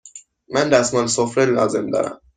من دستمال سفره لازم دارم.